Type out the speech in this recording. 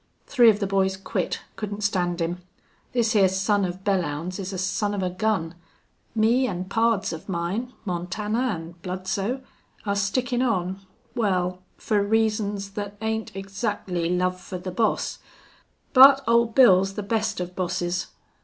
Three of the boys quit. Couldn't stand him. This hyar son of Belllounds is a son of a gun! Me an' pards of mine, Montana an' Bludsoe, are stickin' on wal, fer reasons thet ain't egzactly love fer the boss. But Old Bill's the best of bosses....